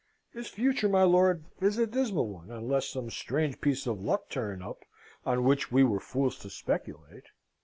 His future, my lord, is a dismal one, unless some strange piece of luck turn up on which we were fools to speculate.